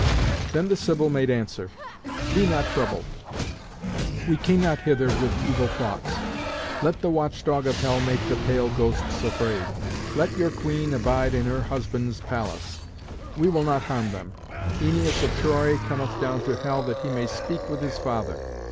Then the Sibyl made answer: "Be not troubled. We came not hither with evil thoughts. Let the Watch dog of hell make the pale ghosts afraid; let your Queen abide in her husband's palace; we will not harm them. Æneas of Troy cometh down to hell that he may speak with his father.